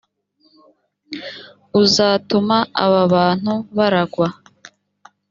uzatuma aba bantu baragwa